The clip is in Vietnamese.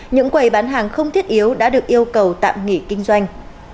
những quầy bán hàng không thiết yếu đã được yêu cầu tạm nghỉ kinh doanh